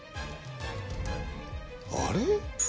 あれ？